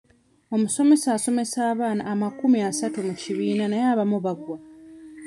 Omusomesa asomesa abaana amakumi asatu mu kibiina naye abamu bagwa.